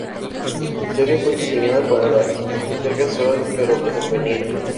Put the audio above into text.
La historia fue diseñada para ser casual, pero convincente.